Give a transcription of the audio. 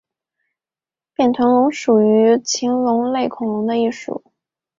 扁臀龙属是禽龙类恐龙的一属。